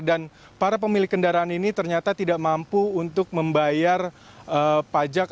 dan para pemilik kendaraan ini ternyata tidak mampu untuk membayar pajak